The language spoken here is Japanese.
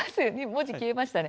文字消えましたね。